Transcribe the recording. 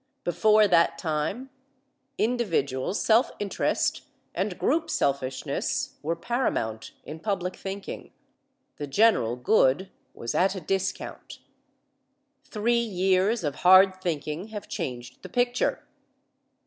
Before that time individual self interest and group selfishness were paramount in public thinking. The general good was at a discount. Three years of hard thinking have changed the picture.